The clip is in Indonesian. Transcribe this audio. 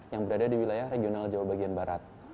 yang berada di wilayah regional jawa bagian barat